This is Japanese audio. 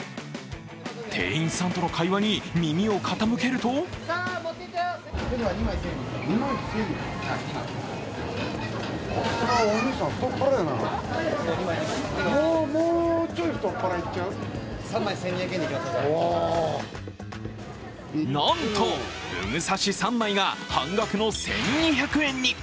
店員さんとの会話に耳を傾けるとなんと、ふぐ刺し３枚が半額の１２００円に。